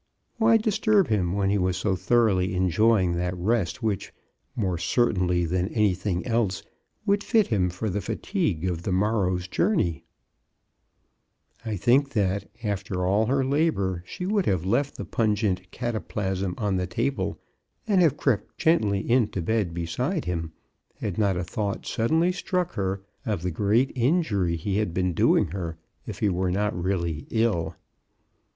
Why disturb him when he was so thoroughly enjoying that rest which, more certainly than anything else, would fit him for the fatigue of the morrow's journey? MRS. brown's failure. 21 I think that, after all her labor, she would have left the pungent cataplasm on the table and have crept gently into bed beside him, had not a thought suddenly struck her of the great injury he had been doing her if he were not really ill.